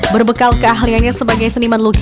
berbekal keahliannya sebagai seniman lukisan